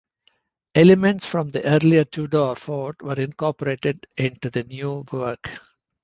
Elements from the earlier Tudor fort were incorporated into the new work.